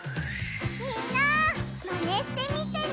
みんなマネしてみてね！